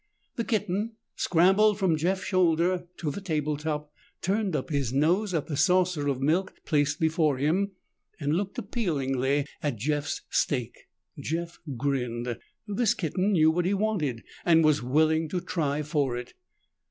The kitten scrambled from Jeff's shoulder to the table top, turned up his nose at the saucer of milk placed before him, and looked appealingly at Jeff's steak. Jeff grinned. This kitten knew what he wanted and was willing to try for it.